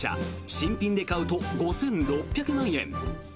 新品で買うと５６００万円。